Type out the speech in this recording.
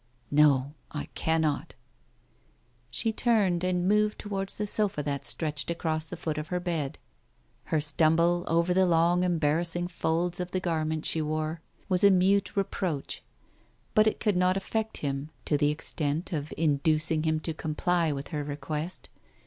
"No, I cannot." She turned, and moved towards the sofa that stretched across the foot of her bed. Her stumble over the long embarrassing folds of the garment she wore was a mute reproach, but it could not affect him, to the extent of inducing him to comply with her request.